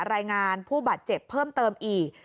รายงานผู้บาดเจ็บเพิ่มเติมอีก